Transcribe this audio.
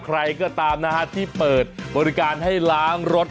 ใครก็ตามนะฮะที่เปิดบริการให้ล้างรถ